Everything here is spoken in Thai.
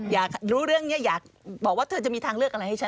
อยากรู้เรื่องนี้อยากบอกว่าเธอจะมีทางเลือกอะไรให้ฉัน